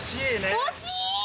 惜しい！